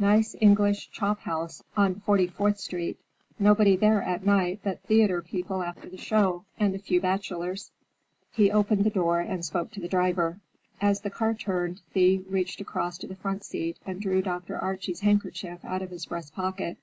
Nice English chop house on Forty fourth Street. Nobody there at night but theater people after the show, and a few bachelors." He opened the door and spoke to the driver. As the car turned, Thea reached across to the front seat and drew Dr. Archie's handkerchief out of his breast pocket.